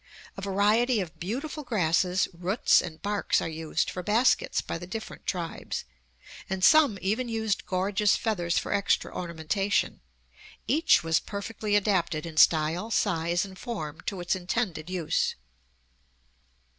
A variety of beautiful grasses, roots, and barks are used for baskets by the different tribes, and some even used gorgeous feathers for extra ornamentation. Each was perfectly adapted in style, size, and form to its intended use.